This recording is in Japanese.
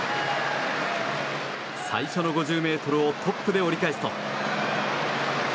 最初の５０ｍをトップで折り返すと。